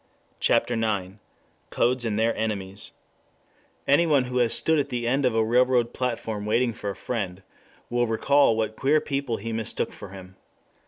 CHAPTER IX CODES AND THEIR ENEMIES ANYONE who has stood at the end of a railroad platform waiting for a friend, will recall what queer people he mistook for him.